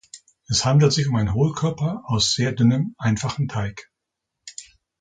Es handelt sich um einen Hohlkörper aus sehr dünnem, einfachen Teig.